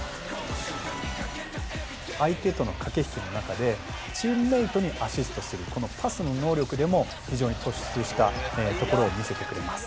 相手との駆け引きの中でチームメートにアシストするこのパスの能力でも非常に突出したところを見せてくれます。